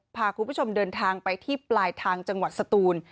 พาคุณผู้ชมเดินทางไปที่ปลายทางจังหวัดสตูน